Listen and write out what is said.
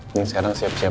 ini sekarang siap siap ya